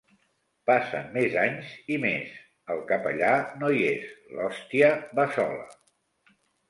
Passen més anys i més, el capellà no hi és: l’hòstia va sola.